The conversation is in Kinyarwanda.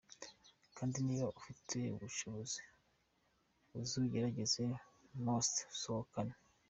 kd niba ufite ubushobozi uzugerageza most sohokane .